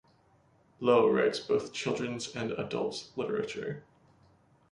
Loe writes both children's and adult literature.